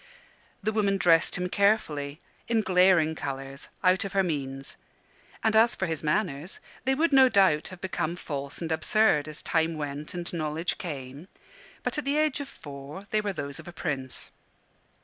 The woman dressed him carefully, in glaring colours, out of her means: and as for his manners, they would no doubt have become false and absurd, as time went and knowledge came; but at the age of four they were those of a prince.